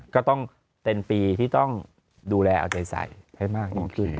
ก็ต้องเต็มปีที่ต้องดูแลเอาใจใส่ให้มาก